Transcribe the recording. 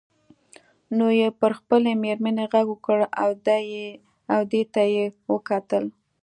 نو یې پر خپلې میرمنې غږ وکړ او دې ته یې وکتل.